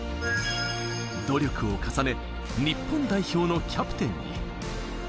努力を重ね、日本代表のキャプテンに。